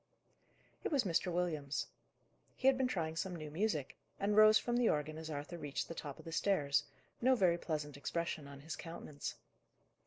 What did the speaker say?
It was Mr. Williams. He had been trying some new music, and rose from the organ as Arthur reached the top of the stairs, no very pleasant expression on his countenance.